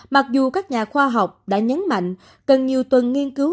mặc dù các nhà khoa học đã nhấn mạnh cần nhiều tuần nghiên cứu